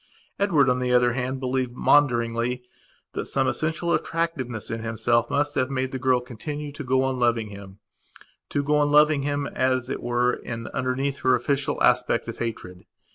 Edward, on the other hand, believed maunderingly that some essential attractiveness in himself must have made the girl continue to go on loving himto go on loving him, as it were, in underneath her official aspect of hatred.